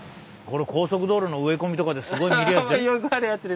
これ高速道路の植え込みとかですごい見るやつ。